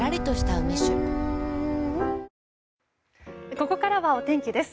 ここからは、お天気です。